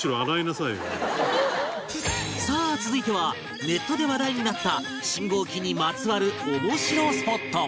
さあ続いてはネットで話題になった信号機にまつわる面白スポット